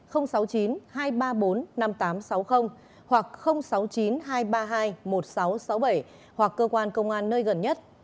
hoặc sáu mươi chín hai trăm ba mươi hai một nghìn sáu trăm sáu mươi bảy hoặc cơ quan công an nơi gần nhất